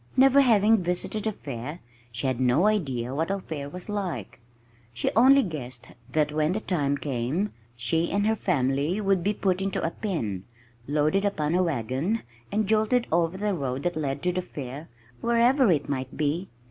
Never having visited a fair, she had no idea what a fair was like. She only guessed that when the time came, she and her family would be put into a pen, loaded upon a wagon, and jolted over the road that led to the fair, wherever it might be.